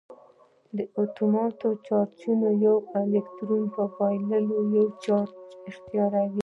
د اتومونو چارج د یوه الکترون په بایللو یو چارج اختیاروي.